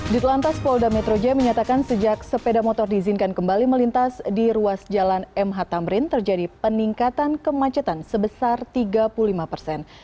di telantas polda metro jaya menyatakan sejak sepeda motor diizinkan kembali melintas di ruas jalan mh tamrin terjadi peningkatan kemacetan sebesar tiga puluh lima persen